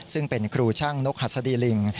ซึ่งเป็นครูช่างนกหัสดีลิง